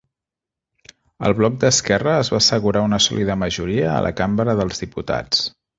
El Bloc d'Esquerra es va assegurar una sòlida majoria a la Cambra dels Diputats.